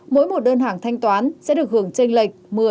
mỗi một đơn hàng thanh toán sẽ được hưởng tranh lệch một mươi hai mươi